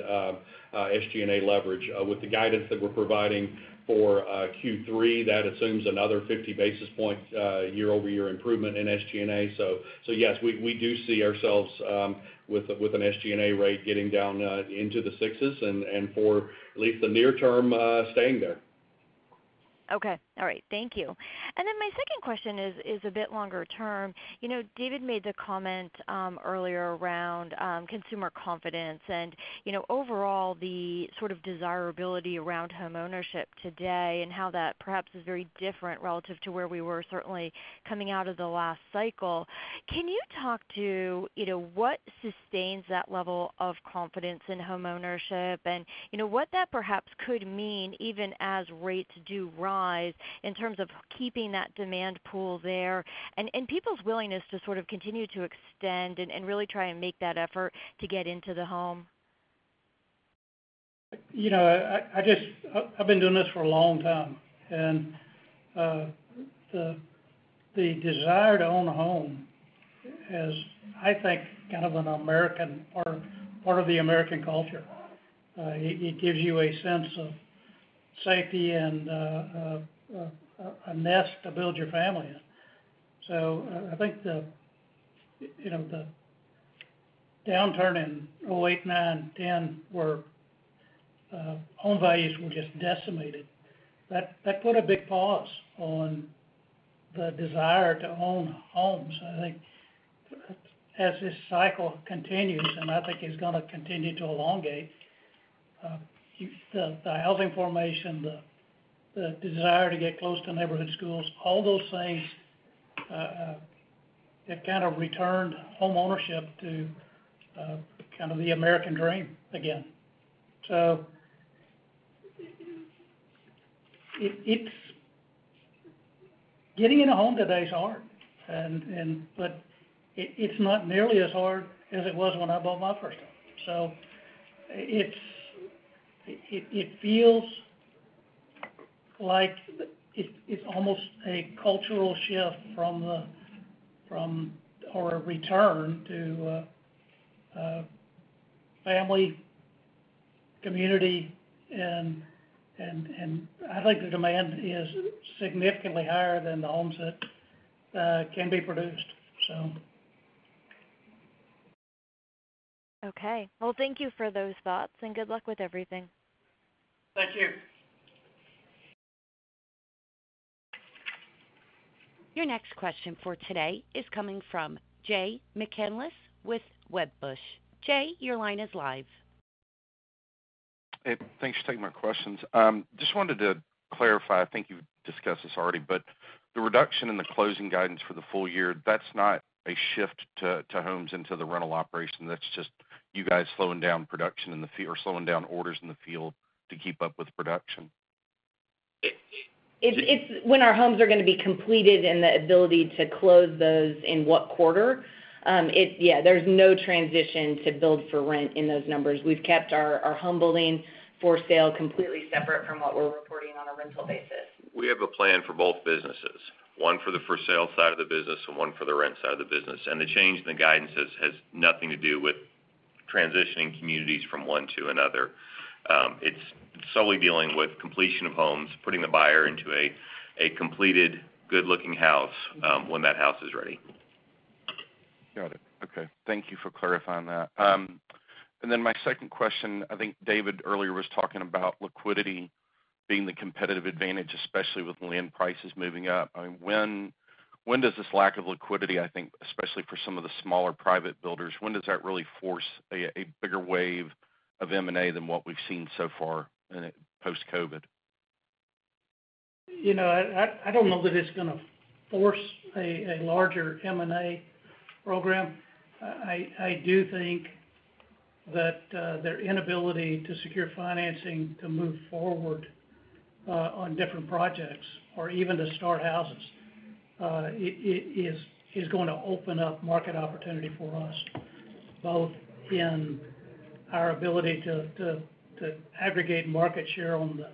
SG&A leverage. With the guidance that we're providing for Q3, that assumes another 50 basis points year-over-year improvement in SG&A. Yes, we do see ourselves with an SG&A rate getting down into the sixes and for at least the near term, staying there. Okay. All right. Thank you. My second question is a bit longer term. You know, David made the comment, earlier around consumer confidence and, you know, overall the sort of desirability around homeownership today and how that perhaps is very different relative to where we were certainly coming out of the last cycle. Can you talk to, you know, what sustains that level of confidence in homeownership and, you know, what that perhaps could mean even as rates do rise in terms of keeping that demand pool there and people's willingness to sort of continue to extend and really try and make that effort to get into the home? You know, I've been doing this for a long time. The desire to own a home is, I think, kind of an American or part of the American culture. It gives you a sense of safety and a nest to build your family in. I think you know, the downturn in 2008, 2009, 2010, where home values were just decimated, that put a big pause on the desire to own homes. I think as this cycle continues, and I think it's gonna continue to elongate, the housing formation, the desire to get close to neighborhood schools, all those things, have kind of returned homeownership to kind of the American dream again. It's Getting in a home today is hard, but it's not nearly as hard as it was when I bought my first home. It feels like it's almost a cultural shift or a return to family, community, and I think the demand is significantly higher than the homes that can be produced. Okay. Well, thank you for those thoughts and good luck with everything. Thank you. Your next question for today is coming from Jay McCanless with Wedbush. Jay, your line is live. Hey, thanks for taking my questions. Just wanted to clarify, I think you've discussed this already, but the reduction in the closing guidance for the full year, that's not a shift to homes into the rental operation. That's just you guys slowing down orders in the field to keep up with production. It's when our homes are gonna be completed and the ability to close those in what quarter. Yeah, there's no transition to build for rent in those numbers. We've kept our home building for sale completely separate from what we're reporting on a rental basis. We have a plan for both businesses, one for the for sale side of the business and one for the rent side of the business. The change in the guidance has nothing to do with transitioning communities from one to another. It's solely dealing with completion of homes, putting the buyer into a completed good-looking house when that house is ready. Got it. Okay. Thank you for clarifying that. My second question, I think David earlier was talking about liquidity being the competitive advantage, especially with land prices moving up. I mean, when does this lack of liquidity, I think especially for some of the smaller private builders, when does that really force a bigger wave of M&A than what we've seen so far in it post-COVID? You know, I don't know that it's gonna force a larger M&A program. I do think that their inability to secure financing to move forward on different projects or even to start houses. It is going to open up market opportunity for us, both in our ability to aggregate market share on the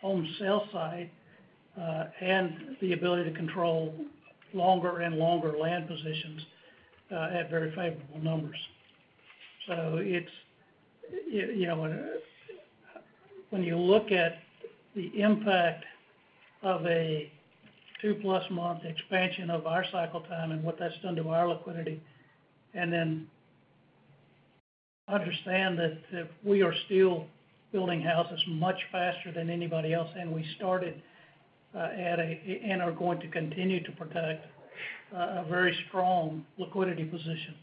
home sales side, and the ability to control longer and longer land positions at very favorable numbers. It's, you know. When you look at the impact of a two-plus month expansion of our cycle time and what that's done to our liquidity, and then understand that we are still building houses much faster than anybody else, and we started and are going to continue to protect a very strong liquidity position.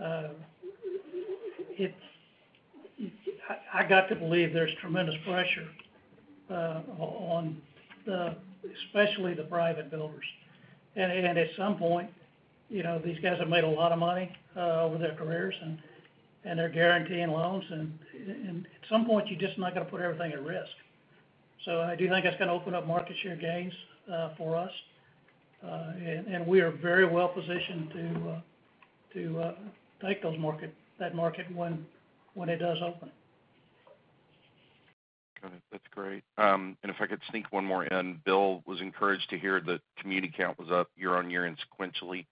I got to believe there's tremendous pressure on, especially the private builders. At some point, you know, these guys have made a lot of money over their careers, and they're guaranteeing loans. At some point, you're just not gonna put everything at risk. I do think that's gonna open up market share gains for us. We are very well positioned to take that market when it does open. Got it. That's great. If I could sneak one more in. Bill, I was encouraged to hear that community count was up year-on-year and sequentially.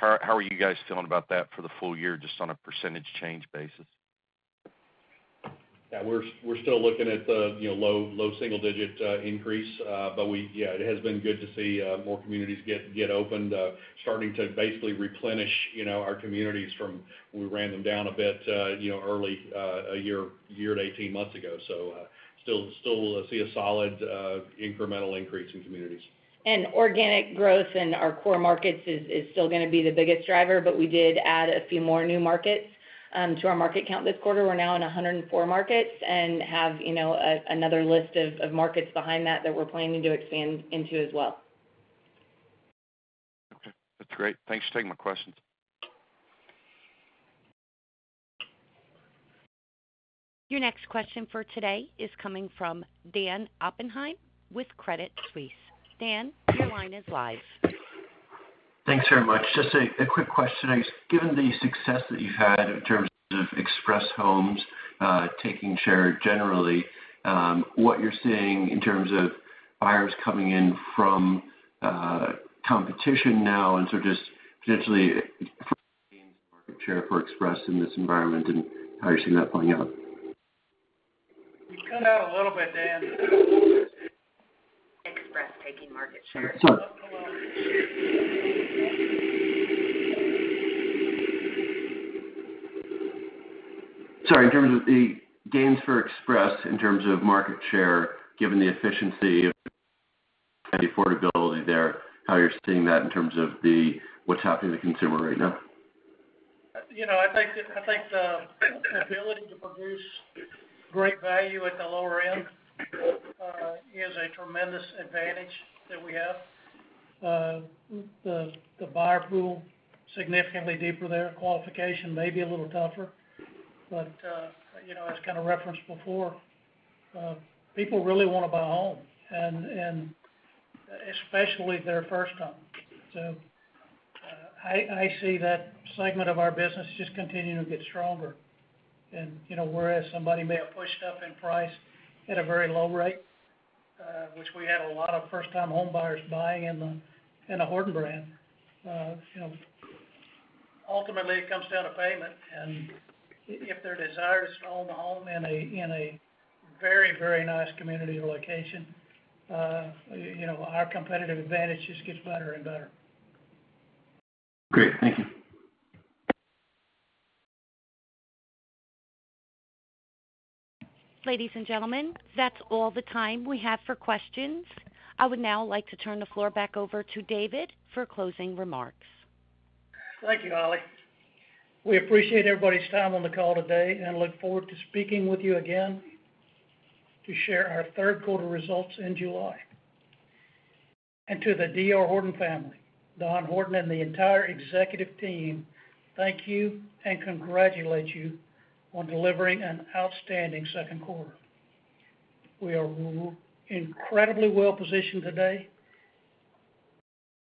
How are you guys feeling about that for the full year, just on a percentage change basis? Yeah. We're still looking at the, you know, low single-digit increase. Yeah, it has been good to see more communities get opened, starting to basically replenish, you know, our communities from when we ran them down a bit, you know, early, a year to 18 months ago. Still see a solid incremental increase in communities. Organic growth in our core markets is still gonna be the biggest driver, but we did add a few more new markets to our market count this quarter. We're now in 104 markets and have, you know, another list of markets behind that we're planning to expand into as well. Okay, that's great. Thanks for taking my questions. Your next question for today is coming from Dan Oppenheim with Credit Suisse. Dan, your line is live. Thanks very much. Just a quick question. Given the success that you've had in terms of Express Homes, taking share generally, what you're seeing in terms of buyers coming in from competition now, and so just potentially gains in market share for Express in this environment, and how you're seeing that playing out. You cut out a little bit, Dan. Express taking market share. Sorry, in terms of the gains for Express, in terms of market share, given the efficiency and affordability there, how you're seeing that in terms of what's happening to the consumer right now. You know, I think the ability to produce great value at the lower end is a tremendous advantage that we have. The buyer pool is significantly deeper there, qualification may be a little tougher, but you know, as kinda referenced before, people really wanna buy a home, and especially their first home. I see that segment of our business just continuing to get stronger. You know, whereas somebody may have pushed up in price at a very low rate, which we had a lot of first-time homebuyers buying in the Horton brand, ultimately, it comes down to payment, and if they're desirous to own a home in a very, very nice community location, you know, our competitive advantage just gets better and better. Great. Thank you. Ladies and gentlemen, that's all the time we have for questions. I would now like to turn the floor back over to David for closing remarks. Thank you, Holly. We appreciate everybody's time on the call today and look forward to speaking with you again to share our third quarter results in July. To the D.R. Horton family, Don Horton and the entire executive team thank you and congratulate you on delivering an outstanding second quarter. We are incredibly well-positioned today.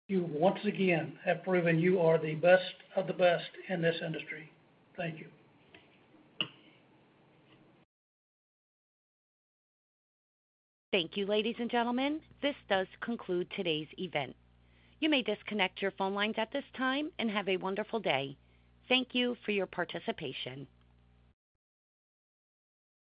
You once again have proven you are the best of the best in this industry. Thank you. Thank you, ladies and gentlemen. This does conclude today's event. You may disconnect your phone lines at this time, and have a wonderful day. Thank you for your participation.